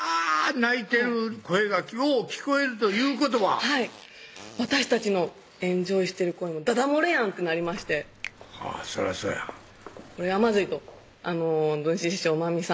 泣いてる声がよう聞こえるということははい私たちのエンジョイしてる声もだだ漏れやんってなりましてそらそうやこれはまずいと文枝師匠まみさん